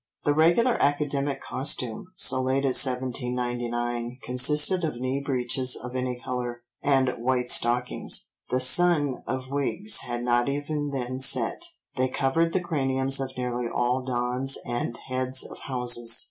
"The regular academic costume, so late as 1799, consisted of knee breeches of any colour, and white stockings. The sun of wigs had not even then set; they covered the craniums of nearly all dons and heads of houses.